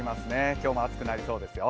今日も暑くなりそうですよ。